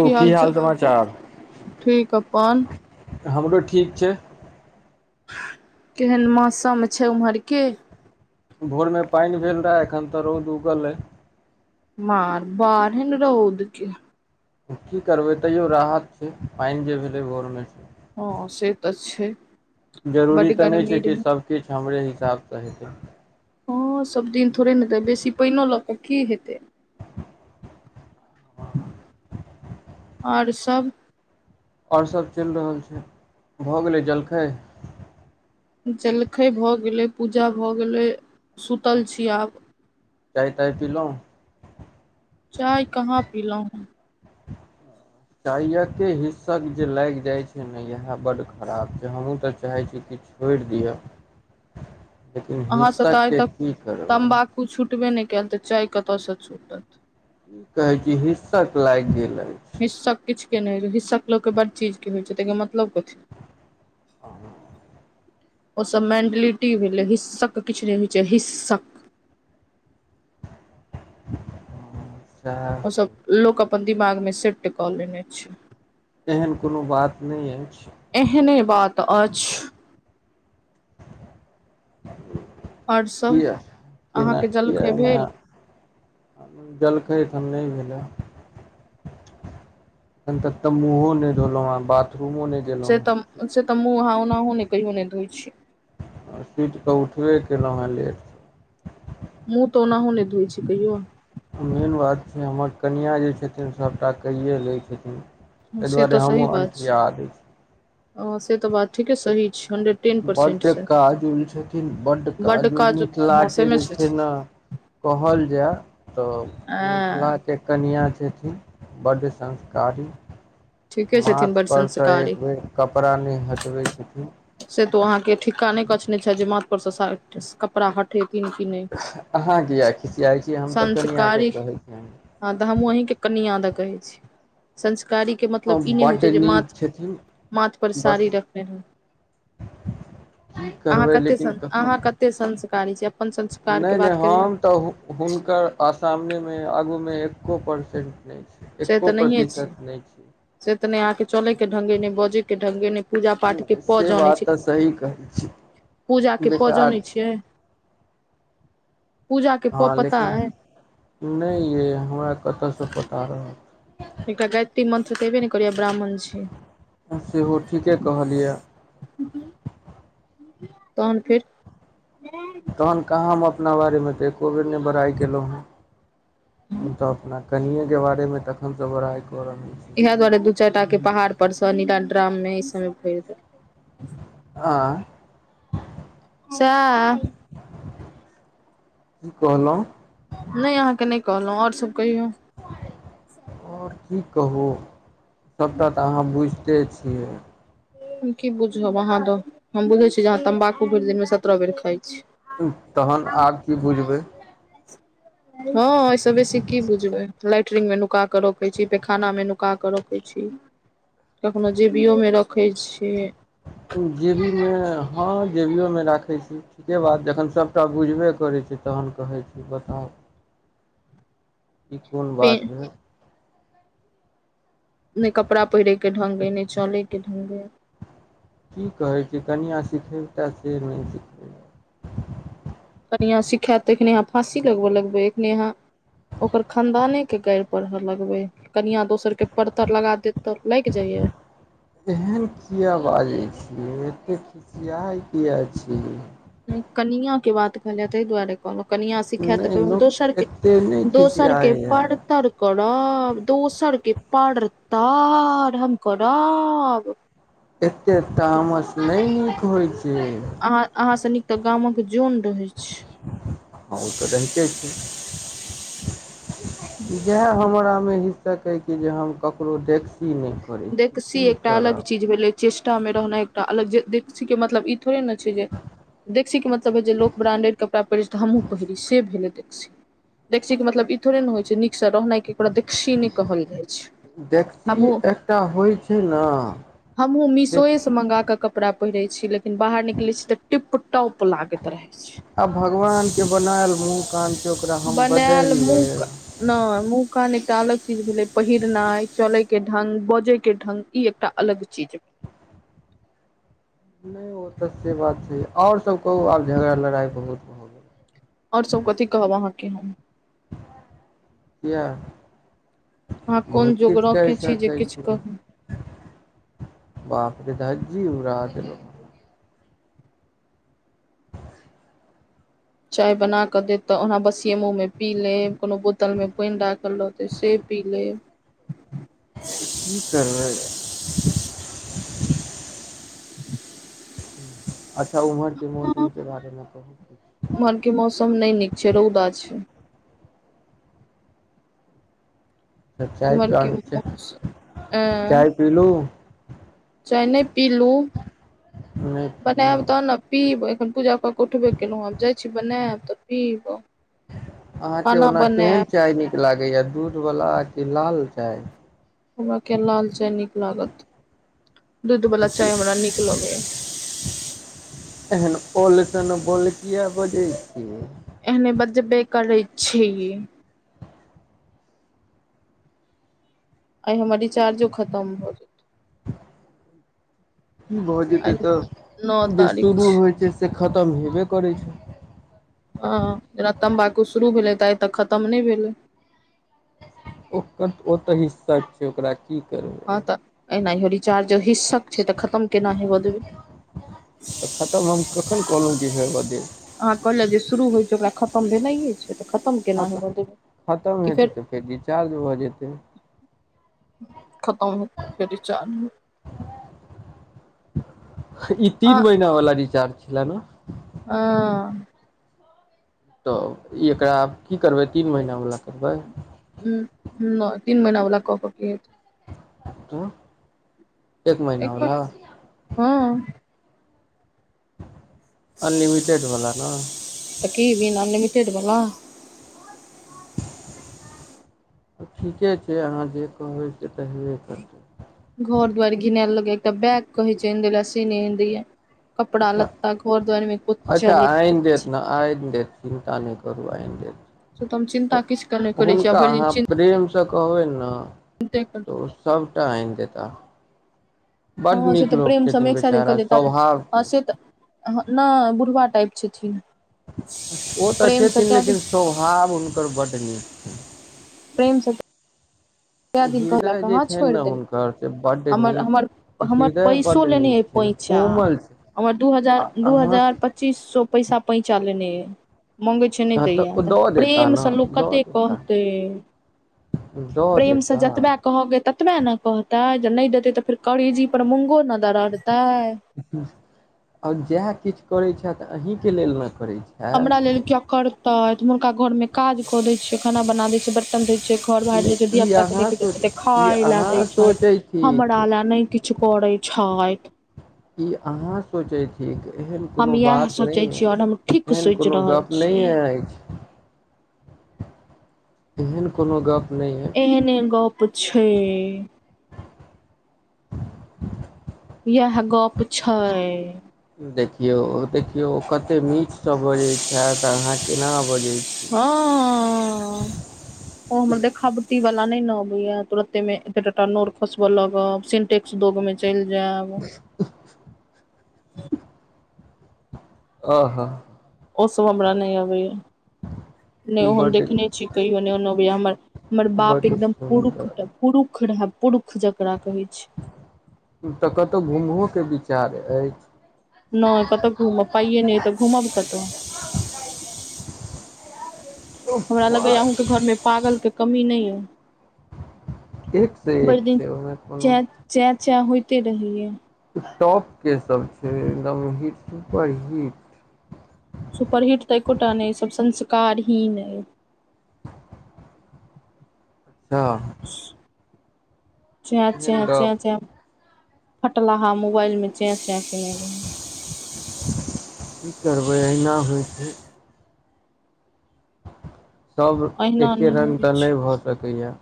की हाल चाल ठीक अपन? हमरो ठीक छैय। केहन मौसम छैय ओम्हरके? भोरमे पानि भेल रहा एखन तऽ रौद उगल ये। मार बारहन रौद के। की करबै तैयो राहत छैय पाइन जे भेलै भोर में। हँ से त छैय। जरूरी त नहि छैय कि सभकिछु हमरे हिसाबसँ हेतै। हँ सब दिन थोड़े नेै बेसी पानि ल क की हेतै। आओर सब। और सभ चलि रहल छै भऽ गेलै जलखै जलखै भऽ गेलै पूजा भऽ गेलै सुतल छी आब चाय ताय पीलोह चाय कहाँ पीलौ है चाय के हिस्सक जे लागि जाइत छै ने इएह बड्ड खराब छै हमहूँ तऽ चाहैत छी किछु भेज दिए [inaudible] लेकिन हिस्सक के की करबै कछ छुटबे नहि कयल तऽ चाय कतयसँ छूटत कि कहे छी हिस्सक लागि गेल अछि हिस्सक किछु के नहि हिस्सक लोक बड़ चीज के होई छै तहि के मतलब कथी आ ओसभ मेंटलिटी भेलै हिस्सक किछु नहि होइत छै हिस्सक सएह ओ छै सभ लोक अपन दिमाग मे सेट कऽ लेने छै एहन कोनो बात नइ अछि एहने बात अछि आओर [inaudible] सभ किया एना अहाँके जलखै कियाने भेल जलखै हम नइ भेलै अभि तक तऽ मुहो नइ धोलो बाथरूमो नहि गेलहुँ से त से तऽ हउ न हउ ने कह ह नहि धइ छी सीतकेऽ उठबे केलहुँ हैं लेट मुँह त ओनाहु ने धोइ छै कहियौ मेन बात छै हमर कनिआँ जे छथिन सभटा कैए लैत छथिन तहि से दुआरे हमहुँ अनठिया दाए छी ओ से तऽ बात ठीके सही छै हंड्रेड टेन परसेंट बड सही काजुल छथिन बड बड्ड काजुल काज हँ मिथिलाके सेमे जे छै छथि ने कहल जाय त मिथिला ऐं के कनआ छथिन बड संस्कारी ठीके छथिन मथ बड्ड पर से संस्कारी एक बेर कपड़ा न हटबय छथि से तो अहा के ठिका ने कछने छै जे माथ पर से सा कपड़ा ह उठेथीन कि नै अहाँ किया स खिसियाइ छी हम तऽ कनिआँके संस्कारी कहै छियनि हँ तऽ हमंहीं कन आदा कहे छी संस्कारी [unintelligible] के मतलब ई नै होइ बड्ड छै जे नीक माथ छथिन माथ पर बस साड़ी रखने रहै की अहाँ करबै कते लेकिन संस कखनो अहाँ कतेक संस्कारी छी अपन संस्कार के नहि बात नहि करियौ हम तऽ हुनकर सामने मे आगूमे एको परसेन्ट नहि छी से तऽ एको नहिये छी प्रतिशत नै छै से तऽ नहि आहाँके चलयके ढग‌ए नहि बजयके ढगेए नहि पूजा पाठ के छै क से जानै बात छै तऽ सही कहै छी पूजाके प बेकार जनै छै छियै पूजा के प हँ पता लेकिन अइ नहि ये हमरा कतै सँ पता रह एकटा गायातत्री मंत्र तऽबे ने करियए ब्राह्मण छी सेहो ठीके कहलियऽ तहन फेर तहन कहाँ हम अपना बारेमे तऽ एको बेेर नहि बड़ाइ केलहुँ हैं हम तऽ अपना कनियेके बारेमे तखनसँ बराइ कऽ रहल छी इएह दुआरे दू चारि टा के पहाड़ पर स नीलाड्राम में इ सब मे भरि दै आँ चाह की कहलो नहि अहाँ के नहि कहलहुँ और सभ कहियौ आओर की कहू सभटा तऽ अहाँ बुझिते छियै हम की बुझब अहाँ द हम बुझै छी जे अहाँ तम्बाकू भरि दिनमे सत्तरह बेर खाइ छी तहन आब की बुझबै ह [inaudible] हँ अय स बेसी की बुझबै लाइट्रंग मे नुका क रोखे छी पेखाना में नुका सुका के रखे छी कखनो जेबियो मे रखे छी जेबीमे हँ जेबियो मे राखैत छी ठीके बात जखन सभटा बुझबे करै छी तहन कहैत छी बताउ ई कोन पे बात रहै नहि कपड़ा पहिरयके ढंग अइ नहि चलयके ढंग अइ की कहैत छी कनिया सिखेता से नहि सख कनिआँ सिखायत तेखने अहाँ फाँसी लगबऽ लगबै एखने अहाँ ओकर खानदाने के गाड़ि पढ़ लगबे कनिया दोसर के परतर लगा देत तऽ लगि जाइया एहन किया बाजै छी एते खिसियाइ किया छी ह्म कनियां के बात कहलिय ताहि दुआरे कोनो कनिया सिखैत नहि तऽ हम लोक दोसर के एते नहि दोसर के खिसियाइये पड़तर तर कड़ब दोसरके पड़तर हम कड़ब एतेक तामस नहि नीक होइत छै अहाँ अहाँ से निक त गामक जोन रहै छै हँ ओ तऽ रहिते छै इहै हमरामे हिस्सक अइ कि जे हम ककरो देखसी नहि करै छी देखसी की एकटा अलग करब चीज भेलै चेष्टा मे रहनाइ एकटा अलग जे देखसी के मतलब ई थोड़े न छै जे देखसीके मतलब हइ जे लोक ब्रांडेड कपड़ा पहिरै छै तऽ हमूँ पहिरी से भेलै देखसी देखसी के मतलब ई थोड़े ने होइ छै नीक से रहनाइ के प्रदीक्षी नै कहल जाइ छै हमहुं टा होइ छै ठीक ने हमहूँ देख मीशोएसँ मंगा कऽ कपड़ा पहिरैत छी लेकिन बाहर निकलैत छी तऽ टिप टॉप लागैत रहै छै आब भगवानके बनायल मुँह कानके ओकरा हम बनायल बदलि लेब मुँह नहि मुँह कान त अलग चीज भेलै पहिरनाइ चले के ढंग बजे के ढंग ई एकटा अलग चीज नहि ओ तऽ से बात छै आओर सब कहू आब झगड़ा लड़ाइ बहुत भऽ गेल और सब कथी कहब अहाँके हम किया अहाँ कोन बहुत जोग किछु कहै रखे जे सकय किछु छी कहू बापरे धजी उरा देल चाय बना के देत त ओना बसीये मुँह मे पी लेब कोनो बोतल मे पानि राखल रहत तऽ से पी लेब की करना य अच्छा उम्हर के मौसम के बारेमे कह इम्हर के मौसम नहि नीक छै रौदा छै चाय इम्हर के पीन छै मौसम अ चाय पीलु चाय नहि पीलु नहि पीलू बनायब तहन पीब एखन पूजा कऽ कऽ उठबे केलहुँ हैं आब जाइ छी बनायब तऽ पीबऽ अहाँके ओना केहन चाय नीक लागैया दूधवला कि लाल चाय हमरा के लाल चाय नीक लागत दूध वाला चाय हमरा नीक लगैया एन ओल तन बोल किया बजै छी एहने बजबे करै छी आइ हमार रीचार्जो खतम हो की भ जेतै आइ नओ त जे तारीख शुरू होइ छै से खतम हेबे करै छै ह जेना तम्बाकू शुरू भेलै तऽ आइ तक खतम नहि भेलै ओकर ओ तऽ हिस्सा छै ओकरा की करू हँ तऽ एनाहि रिचार्जो हिस्सक छै तऽ खतम केना हेबऽ देबै त खत्म हम कखन कहलहुं जे होेयब दे अहाँ कहलियै जे शुरू होइ छै ओकरा खत्म भेनाइए छै तऽ खत्म केना देब हेबय देबै खतम कि फेर हेतै तऽ फेर रिचार्ज भऽ जेतै खतम होत फेर चार ई तीन अहाँ महिना वाला रिचार्ज छलै न ह तऽ ई एकरा आब की करबै तीन महीनावला करबै ह ह तीन महिना ओला क क की त एक महिना बला हँ अनलिमिटेडवला ने त की भी न अनलिमिटेड वला ठीके छै अहाँ जे कहबै से त हेबे करतै घर दुवारि घिनायल लगैया एकटा बैग कहे छैनि आइन सेनहि दय लै कपड़ा अच्छा लत्ता घर दुवारिमे कुछ चल कुछ आ आइन दे चिंता नैकरू आइन देब से तऽ हम चिन्ता किछ के नहि करै छी आ भरि से कहबनि न देख त ओ सबटा आन देता बड्ड हँ से नीक तऽ लोक प्रेम सम छथिन एक साथे क बेचारा दे त स्वभाव से तऽ नै बुढ़वा टाइप छथिन ओ तऽ प्रेमसँ छथिन कए दिन लेकिन स्वभाव हुनकर बड्ड नीक प्रेमसँ कए दिन हृदय कहलक जे हँ छनि छोड़ि ने देलकै हुनकर से बड् हमर हमर नीक हमर हृदय पैसो बड्ड लेने अइ नीक पैंचा कोमल छै हमर दू आ हजार दू अहाँ हजार पच्चीस सौ पैसा पैंचा लेने यै किछ नहि हँ तऽ दैया ओ त दऽ देता प्रेम ने से लोक दऽ कते देता कहते दऽ प्रेम से देता जतबा कहके ततबे ने कहते जे नहि देतै तऽ फेर करेजी पर मूंगो न दररते आर जाह किछ करै छथि अहीँके लेल ने करै छी हमरा लेल किया करतय हुनका घर मे काज क दै छियै खाना बना दय छिये बर्तन धौ छियै घर बाहर जाइ छै धिया नहि ई पुता अहाँ के सोच देखे ई खाय ले देय अहाँ छै सोचै थिक हमरा लै नै किछ करे छै ई अहाँ सोचै छिये की एहन हम कोनो इएह बात नै सोचै छी और हम ठीक अछि एहन सोचि कोनो रहल गप छी नहि य एहन कोनो गप नहि य एहने गप छै [inaudible] इएह गप छै देखियौ देखियौ ओ कते मिठसँ बजैत छथि अहाँ केना बजैत छी हँ [inaudible] ओ हमर देखाबटी वाला नहि नबैय तुरते मेे टटा नोर खुसवा लागव टैक्स दोग में चलि जायब [inaudible] अ ह ओसब हमरा नहि अबै हा नहि ओहन बड देखखने छी कहिओ नहि ओन अबै हमर हमर बाप बड एकदम सुन्दर पुरुख पुरुख रहै पुरुष जकरा कहै छैय। तऽ कतौ घुमहो के विचार अछि? नाहि कत घूमब पाइए नहि तऽ घूमब कत। हमरा लगैया आहुके घर मे पागल के कमी नहि या एक से एक भरि दिन छै ओहिमे कोनो चैन चे चे होइते रहैया। शॅख के सब छैय एकदम हिट सुपर हिट। सुपरहिट तऽ एकोटा नहि या सब संस्कार हीन अय। त चे चे हैंड चे अप चे फटलाहा मोबाइल मे चे चे [unintelligible] की करबै अहिना होइ छैय। सभ अहिना एके नहि रंग होइ तऽ छै नै भऽ सकैया।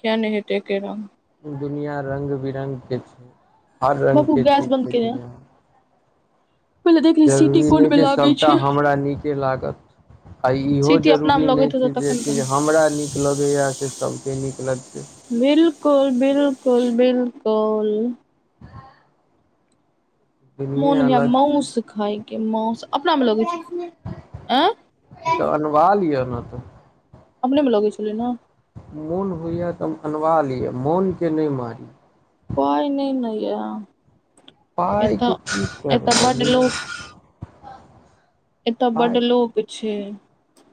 किया नहि हेतै एके रंग। दुनिया रंग बिरंगके छैय हर बाबू रंगके गैस चीज बंद छैय केने आ दुनियामे। पहिले देख ली सीटी जरूरी कोन नहि मे छैय लागै सभटा छै हमरा नीके लागत। आ इहो सीटी अपना जरूरी मे नहि लगैत हेतौ छैय जे तखन कि करही हमरा निक नीक लगैया से सभ के नीक लगतै। बिल्कुल बिल्कुल बिल्कुल दुनिये मोन होयया अलग माऊस खायके माऊस अपना मे लगै आँय तऽ अनवा लिया ने तऽ। हमरे में लगै छलै ने। मोन होइया त अनवा लीया मोनके नहि मारी। पाई नै नऽ या पाइ एतऽ के की एतऽ करबै बड बिना लोक एत्त बड पाइ लोक छैय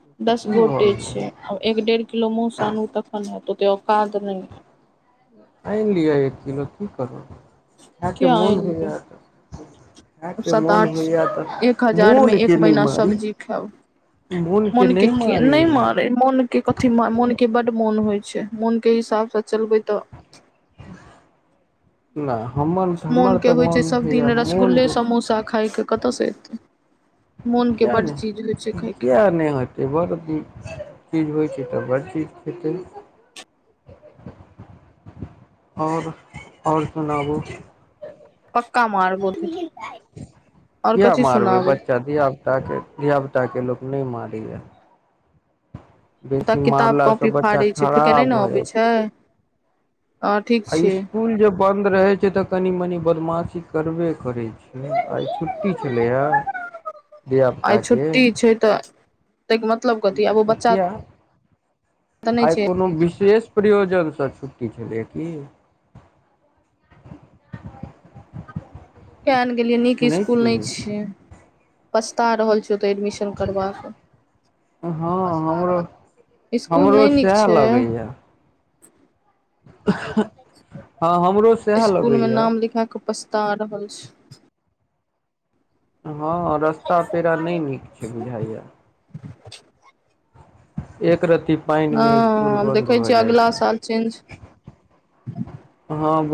के तऽ दस की भऽ गोटे गेलै छैय। एक डेढ़ किलो मऊ स आनु तखन हते ओते औकात न अइन लिअ एक किलो की करब खाय के किया आनि मोन होई या। लियौ [unintelligible] आहाँ के सात मोन आठ होइया तऽ एक हजार मे मोन एक के नहि महीना मारी। सब्जी खायब मोन के नहि मारी [unintelligible] मोन के कथी मोन के बड मोन होई छैय मोन के हिसाब से चलबै तऽ ना हमर मोन हमर के तऽ होइ छैय मोन सभदिन होइया मोन रसगुल्ले दुख समोसा खायके कत सँ अयतै? किया नहि किया नहि होयत? [unintelligible] होइ छैय तऽ बड़ चीज खेतै। आओर आओर सुनाबू। पक्का मारबहु। किया मारबै बच्चा धिया पुता छैय धिया पुता के लोक नहि मारैया। तऽ बेसी किताब मारला से कॉपी बच्चा फाड़ै छैय [unintelligible] के नहि खराब ने भऽ जाइ अबैत छै छैय। आ स्कूल जे बंन्द रहे छैय तऽ कनी मनी बदमाशी करबे करै छैय। आइ छुट्टी छलैय धिया आइ पुता के? छुट्टी छै तऽ तयके मतलब कथि आब ओ बच्चा किया तऽ नहि आइ छै कोनो विशेष प्रयोजनसँ छुट्टी छलै की? [inaudible] कियाने गेलियै नीक सुनै स्कूल छी नहि छियै पछता रहल छी ओतय एडमिशन करबाक। हँ हमरो स्कूल हमरो नहि नीक सैहे छै लगैया। हँ हमरो सैह स्कूल मे लगैया। नाम लिखा कऽ पछता रहल छी। हाँ रस्ता पैरा नहि नीक छै बुझाइया [inaudible] एक रति पइन मे हँ स्कुल बन्द देखै भ छियै जाए अगिला छै साल चेंज हँ